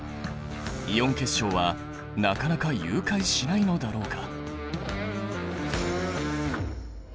イオン結晶はなかなか融解しないのだろうか。